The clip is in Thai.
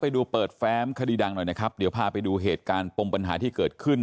ดูเปิดแฟ้มคดีดังหน่อยนะครับเดี๋ยวพาไปดูเหตุการณ์ปมปัญหาที่เกิดขึ้น